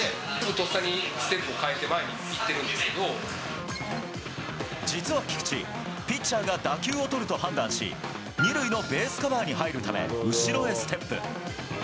とっさにステップを変えて前に行実は菊池、ピッチャーが打球を取ると判断し、２塁のベースカバーに入るため後ろへステップ。